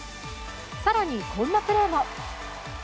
更に、こんなプレーも。